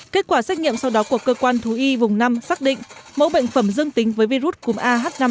kết quả xét nghiệm sau đó của cơ quan thú y vùng năm xác định mẫu bệnh phẩm dương tính với virus cúm ah năm